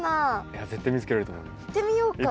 いってみようか。